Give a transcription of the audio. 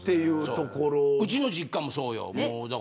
うちの実家もそうよ。